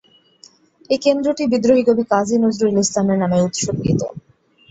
এই কেন্দ্রটি বিদ্রোহী কবি কাজী নজরুল ইসলামের নামে উৎসর্গিত।